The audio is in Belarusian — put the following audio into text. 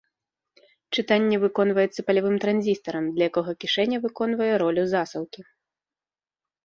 Чытанне выконваецца палявым транзістарам, для якога кішэня выконвае ролю засаўкі.